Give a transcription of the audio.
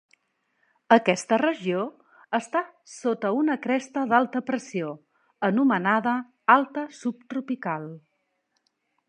Aquesta regió està sota una cresta d'alta pressió anomenada alta subtropical.